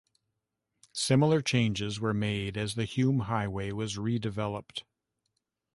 Similar changes were made as the Hume Highway was re-developed.